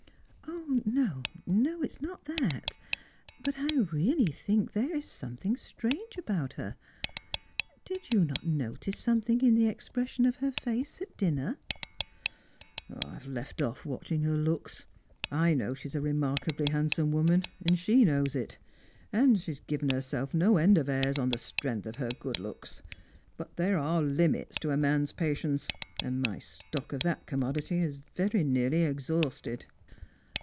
" Ko, no, it's not that. Bat I really think there is something strange about her. Did you not notice something in the expres sion of her face at dinner ?"" I have left off watching her looks. I know she's a remark ably handsome woman, and she knows it; and has given herself no end of airs on the strength of her good looks. But there are limits to a man's patience, and my stock of that commodity ia very neai ly exhausted."